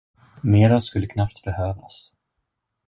Mera skulle knappt behövas.